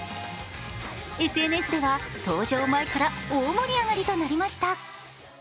ＳＮＳでは登場前から大盛り上がりとなりました。